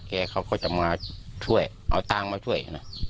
เขาก็จะมาช่วยเอาตังค์มาช่วยกัน